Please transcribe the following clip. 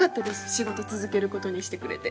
仕事続けることにしてくれて。